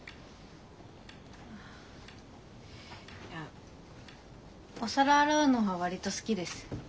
いやお皿洗うのは割と好きです。